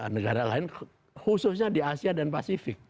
negara lain khususnya di asia dan pasifik